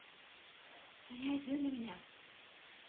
とりあえず読んでみなよ